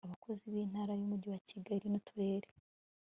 Abakozi b i Ntara Umujyi wa Kigali n Uturere